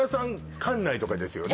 関内とかですよね